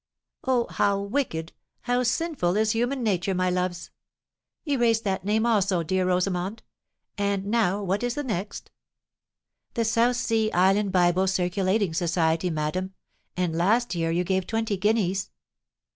Oh! how wicked—how sinful is human nature, my loves! Erase that name also, dear Rosamond. And now what is the next?" "The South Sea Island Bible Circulating Society, madam; and last year you gave twenty guineas."